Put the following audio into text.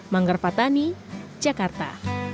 manggar patani jakarta